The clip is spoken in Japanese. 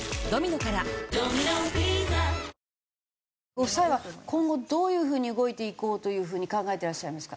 ご夫妻は今後どういう風に動いていこうという風に考えてらっしゃいますか？